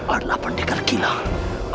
adalah pendekar kilang